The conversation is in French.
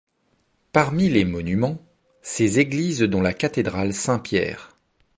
Parmi les monuments, ses églises dont la cathédrale Saint-Pierre.